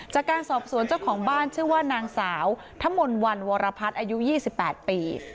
จากการสอบสวนเจ้าของบ้านชื่อว่านางสาวทะมนต์วันวรพัฒน์อายุ๒๘ปี